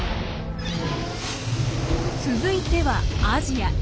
続いてはアジア。